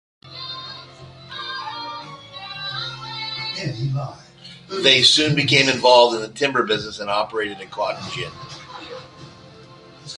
They soon became involved in the timber business and operated a cotton gin.